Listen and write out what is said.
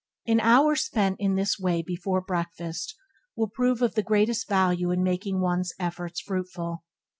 An hour spend in this way before breakfast will prove of the greatest value in making one's efforts fruitful.